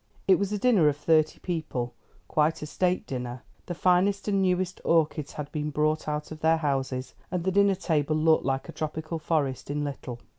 It was a dinner of thirty people; quite a state dinner. The finest and newest orchids had been brought out of their houses, and the dinner table looked like a tropical forest in little.